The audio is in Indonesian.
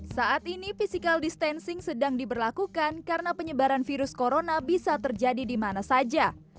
saat ini physical distancing sedang diberlakukan karena penyebaran virus corona bisa terjadi di mana saja